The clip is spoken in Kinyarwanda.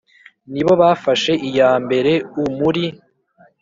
ni bo bafashe iya mbere u muri